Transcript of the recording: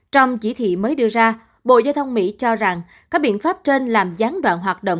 trong chỉ thị mới đưa ra bộ giao thông mỹ cho rằng các biện pháp trên làm gián đoạn hoạt động